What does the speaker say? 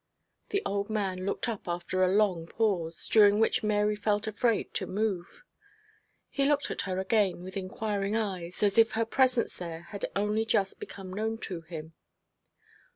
The old man looked up after a long pause, during which Mary felt afraid to move. He looked at her again with inquiring eyes, as if her presence there had only just become known to him.